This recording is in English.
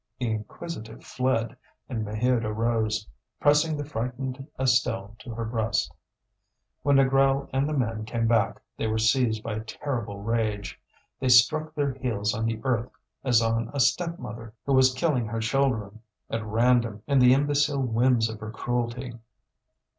The inquisitive fled, and Maheude arose, pressing the frightened Estelle to her breast. When Négrel and the men came back they were seized by a terrible rage. They struck their heels on the earth as on a stepmother who was killing her children at random in the imbecile whims of her cruelty.